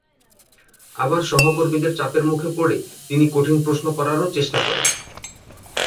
আবার সহকর্মীদের চাপের মুখে পড়ে তিনি কঠিন প্রশ্ন করারও চেষ্টা করেন।